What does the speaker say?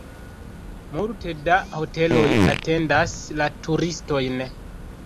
Multe da hoteloj atendas la turistojn.